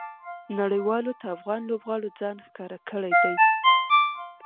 نړۍوالو ته افغان لوبغاړو ځان ښکاره کړى دئ.